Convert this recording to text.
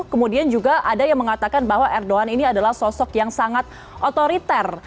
kemudian juga ada yang mengatakan bahwa erdogan ini adalah sosok yang sangat otoriter